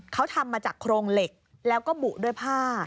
เขาทำมาจากโครงเหล็กแล้วก็บุด้วยผ้า